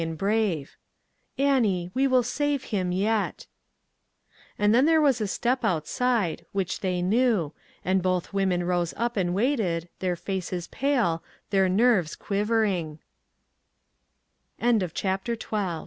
and brave: "Annie, we will save him yet." And then there was a step outside, which they knew, and both women rose up and waited, their faces pale, their nerv